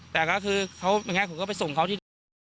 แต่ก็คือเขาอย่างไรผมก็ไปส่งเขาที่